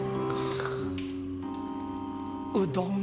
うどん。